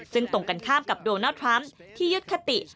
ซึ่งตรงกันข้ามกับโดนัลดทรัมป์ที่ยึดคติ